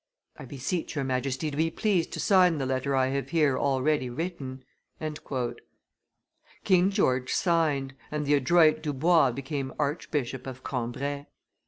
I beseech your Majesty to be pleased to sign the letter I have here already written." King George signed, and the adroit Dubois became Archbishop of Cambrai.